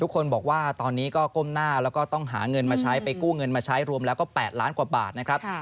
คนบอกว่าตอนนี้ก็ก้มหน้าแล้วก็ต้องหาเงินมาใช้ไปกู้เงินมาใช้รวมแล้วก็๘ล้านกว่าบาทนะครับ